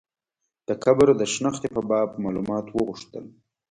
د قبر د شنختې په باب معلومات وغوښتل.